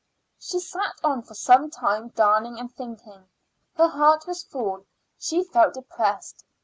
She sat on for some time darning and thinking. Her heart was full; she felt depressed.